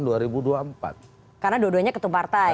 karena dua duanya ketua partai